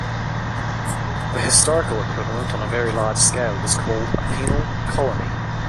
The historical equivalent on a very large scale was called a penal colony.